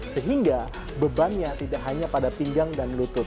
sehingga bebannya tidak hanya pada pinggang dan lutut